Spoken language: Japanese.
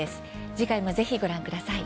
次回も、ぜひご覧ください。